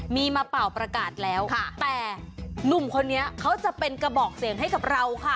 มีมาเป่าประกาศแล้วแต่หนุ่มคนนี้เขาจะเป็นกระบอกเสียงให้กับเราค่ะ